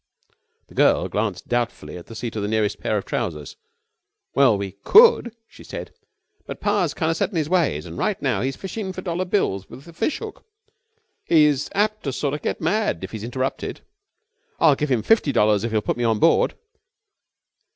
The girl glanced doubtfully at the seat of the nearest pair of trousers. "Well, we could," she said. "But pa's kind of set in his ways, and right now he's fishing for dollar bills with the boat hook. He's apt to get sorta mad if he's interrupted." "I'll give him fifty dollars if he'll put me on board."